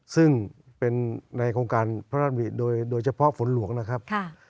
ซึ่งเป็นในโครงการพระราชบิโดยเฉพาะฝนหลวงนะครับ